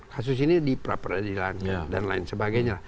kasus ini diperapradikasi dan lain sebagainya